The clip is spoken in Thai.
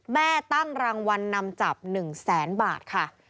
แม่ตั้งรางวันนำจับ๑๐๐๐๐๐บาทค่ะ